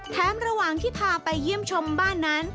ระหว่างที่พาไปเยี่ยมชมบ้านนั้น